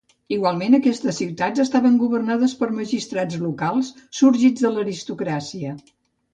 Igualment aquestes ciutats estaven governades per magistrats locals sorgits de l'aristocràcia.